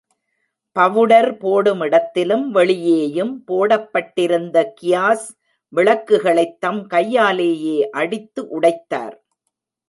Powder போடுமிடத்திலும் வெளியேயும் போடப் பட்டிருந்த கியாஸ் விளக்குகளைத் தம் கையாலேயே அடித்து உடைத்தார்.